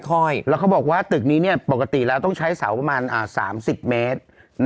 แล้วเขาบอกว่าตึกนี้ปกติแล้วต้องใช้เสาประมาณ๓๐เมตร